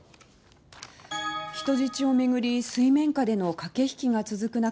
人質を巡り水面下での駆け引きが続く中